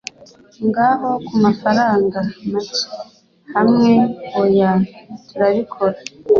ngaho kumafaranga make hamwe oya turabikora